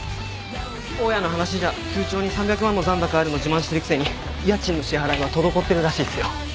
・大家の話じゃ通帳に３００万も残高あるの自慢してるくせに家賃の支払いは滞ってるらしいっすよ。